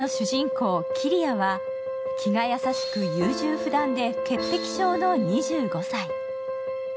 物語の主人公・桐矢は気が優しく優柔不断で潔癖症の２５歳。